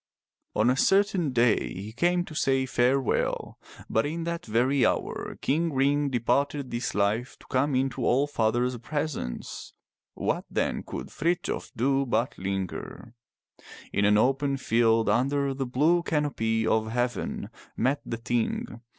On a certain day he came to say farewell, but in that very hour. King Ring departed this life to come into All father's pres ence. What, then, could Frithjof do but linger? In an open field under the blue canopy of heaven met the Ting.